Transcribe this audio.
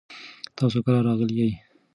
تاسو کله راغلي یئ؟